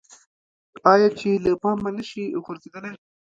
آیا چې له پامه نشي غورځیدلی؟